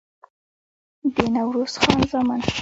د نوروز خان زامن